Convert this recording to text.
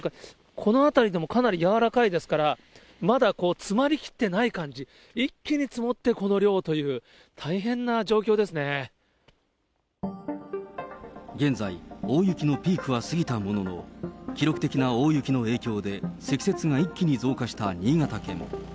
この辺りでもかなり柔らかいですから、まだ、積もりきってない感じ、一気に積もって、現在、大雪のピークは過ぎたものの、記録的な大雪の影響で、積雪が一気に増加した新潟県。